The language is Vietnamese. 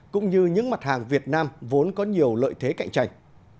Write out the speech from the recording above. cũng như những mặt hàng việt nam vốn có nhiều lợi thế cạnh tranh